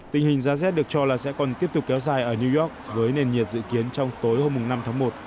tình hình giá z được cho là sẽ còn tiếp tục kéo dài ở new york với nền nhiệt dự kiến trong tối hôm năm tháng một